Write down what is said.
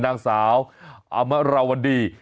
นักสาวอำราวณี